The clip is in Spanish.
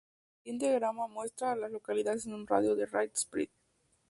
El siguiente diagrama muestra a las localidades en un radio de de Ridge Spring.